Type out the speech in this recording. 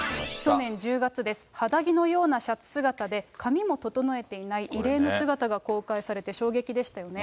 去年１０月です、肌着のようなシャツ姿で、髪も整えていない、異例の姿が公開されて衝撃でしたよね。